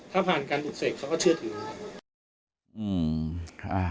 ถ้าผ่านการปลูกเสกเขาก็เชื่อถือ